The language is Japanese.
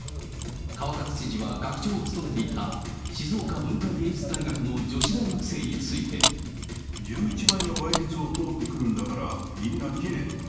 川勝知事は学長を務めていた静岡文化芸術大学の女子大学生ににつ１１倍の倍率を通ってくるんだから、みんなきれい。